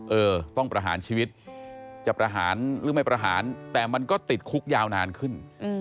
เออต้องประหารชีวิตจะประหารหรือไม่ประหารแต่มันก็ติดคุกยาวนานขึ้น